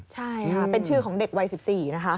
ใช่เป็นชื่อของเด็กวัย๑๔นะครับ